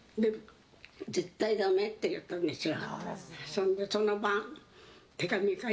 絶対ダメって言ったんですよ。